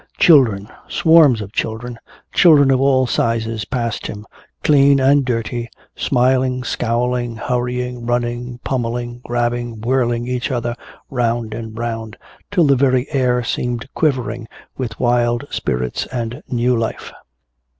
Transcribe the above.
Children, swarms of children, children of all sizes passed him, clean and dirty, smiling, scowling, hurrying, running, pummeling, grabbing, whirling each other 'round and 'round till the very air seemed quivering with wild spirits and new life!